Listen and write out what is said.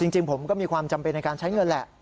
จริงผมก็มีความจำเป็นในการใช้เงินแหละ